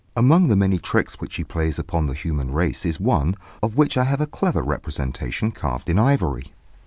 Among the many tricks which he plays upon the human race is one, of which I have a clever representation carved in ivory.